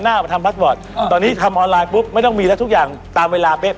ถ้าเราทำพลัสสวอตตอนนี้แล้วไม่ต้องมีแล้วทุกอย่างตามเวลาเป๊ะ